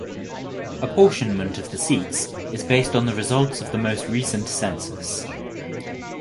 Apportionment of the seats is based on the results of the most recent census.